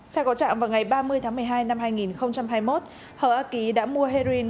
theo cầu trạng vào ngày ba mươi tháng một mươi hai năm hai nghìn hai mươi một hở a ký đã mua heroin